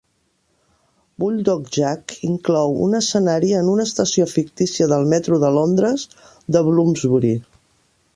"Bulldog Jack" inclou un escenari en una estació fictícia del metro de Londres de Bloomsbury.